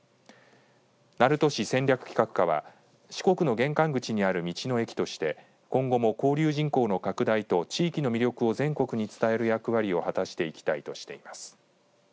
鳴門市戦略企画課は四国の玄関口にある道の駅として今後も交流人口の拡大と地域の魅力を全国に伝える役割を果たしていきたいとしています。